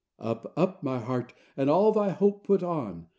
Up, up, my heart, and all thy hope put on.